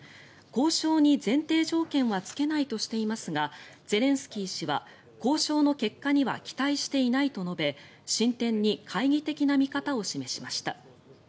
交渉に前提条件はつけないとしていますがゼレンスキー氏は交渉の結果には期待していないと述べ進展に懐疑的な見方を示しました。